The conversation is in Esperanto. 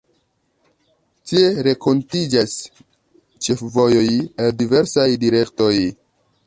Tie renkontiĝas ĉefvojoj el diversaj direktoj.